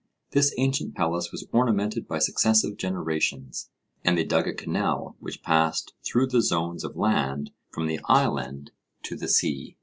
This ancient palace was ornamented by successive generations; and they dug a canal which passed through the zones of land from the island to the sea.